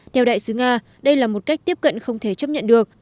theo đại sứ nga đây là một cách tiếp cận không thể chấp nhận được